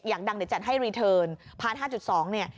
อย่างดังเดี๋ยวจะให้รีเทิร์นพาร์ท๕๒เนี่ย